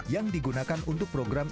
yang digunakan untuk program